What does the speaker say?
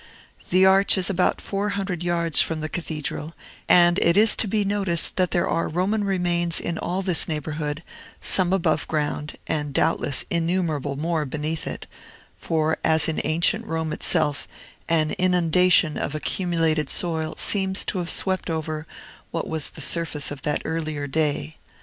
The arch is about four hundred yards from the Cathedral; and it is to be noticed that there are Roman remains in all this neighborhood, some above ground, and doubtless innumerable more beneath it; for, as in ancient Rome itself, an inundation of accumulated soil seems to have swept over what was the surface of that earlier day.